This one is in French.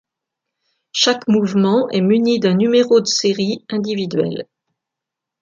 Chaque mouvement est muni d’un numéro de série individuel.